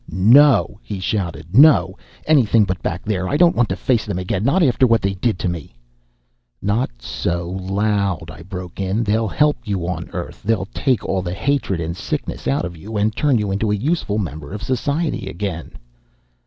"No!" he shouted. "No! Anything but back there. I don't want to face them again not after what they did to me " "Not so loud," I broke in. "They'll help you on Earth. They'll take all the hatred and sickness out of you, and turn you into a useful member of society again."